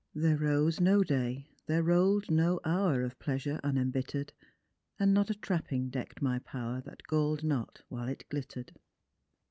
There rose no day, there roll'd no hoTir Of pleasure unembitter'd ; And not a trapping deck'd my power That gall'd not while it glitter'd."